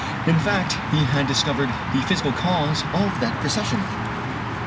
In fact he had discovered the physical cause of that precession.